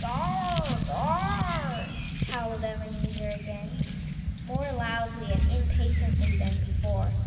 "Gar r r r, gar r r r," howled Ebenezer again, more loudly and impatiently than before.